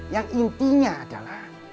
yang intinya adalah